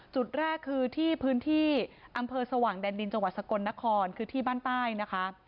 จุดแรกคือที่พื้นที่อำเภอสว่างแดนดินจังหวัดสกลนครคือที่บ้านใต้นะคะ